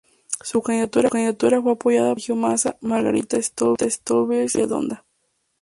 Su candidatura fue apoyada por Sergio Massa, Margarita Stolbizer y Victoria Donda.